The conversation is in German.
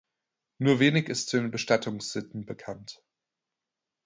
Nur wenig ist zu den Bestattungssitten bekannt.